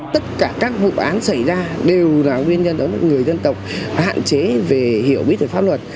tất cả các vụ án xảy ra đều là nguyên nhân đó người dân tộc hạn chế về hiểu biết về pháp luật